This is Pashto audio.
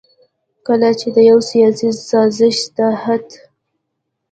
کله چې د يو سياسي سازش تحت